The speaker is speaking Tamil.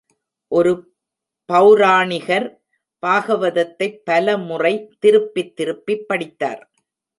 ஒரு பெளராணிகர் பாகவதத்தைப் பலமுறை திருப்பித் திருப்பிப் படித்தார்.